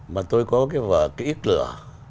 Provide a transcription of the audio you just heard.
mà tôi có cái ít lửa